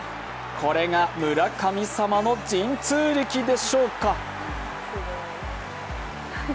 これが村神様の神通力でしょうか。